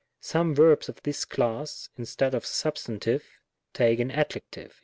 Some verbs of this class, instead of a substantive, take an adjective.